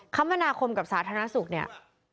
คมนาคมกับสาธารณสุขเนี่ย